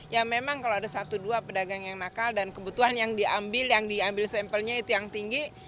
ya memang kalau ada satu dua pedagang yang nakal dan kebutuhan yang diambil yang diambil sampelnya itu yang tinggi